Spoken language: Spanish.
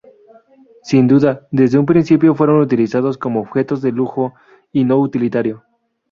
Sin duda, desde un principio fueron utilizados como objetos de lujo y no utilitario.